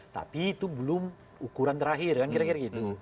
tapi itu belum ukuran terakhir kan kira kira gitu